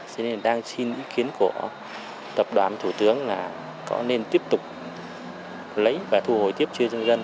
cho nên đang xin ý kiến của tập đoàn thủ tướng là có nên tiếp tục lấy và thu hồi tiếp cho dân dân